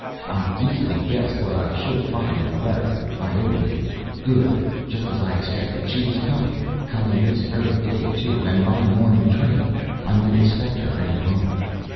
I easily guessed what I should find in her letter. I opened it. Good! just as I expected; she was coming! Coming this very day, too, and by the morning train; I might expect her any moment.